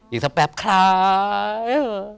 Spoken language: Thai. อีกสักแป๊บคล้าย